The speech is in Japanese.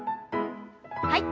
はい。